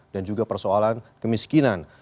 dan juga persoalan kemiskinan